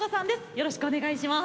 よろしくお願いします。